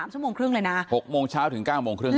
ชั่วโมงครึ่งเลยนะ๖โมงเช้าถึง๙โมงครึ่ง